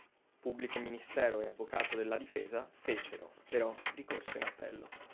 Pubblico ministero e avvocato della difesa fecero, però, ricorso in appello.